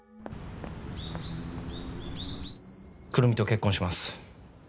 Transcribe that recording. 久留美と結婚します。